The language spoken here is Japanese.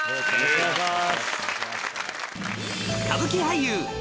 お願いします。